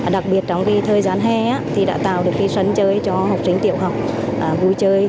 đặc biệt trong thời gian hè thì đã tạo được cái sân chơi cho học sinh tiểu học vui chơi